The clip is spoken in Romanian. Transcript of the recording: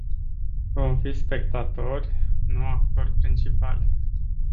Vom fi spectatori, nu actori principali.